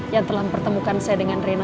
yang telah menemukan saya dengan rina